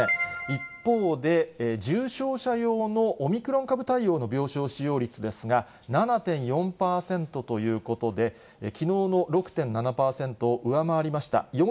一方で、重症者用のオミクロン株対応の病床使用率ですが、７．４％ということで、きのうの６．７％を上回りました。